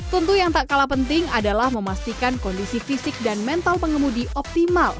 tentu yang tak kalah penting adalah memastikan kondisi fisik dan mental pengemudi optimal